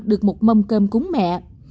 được một mâm cơm cúng mẹ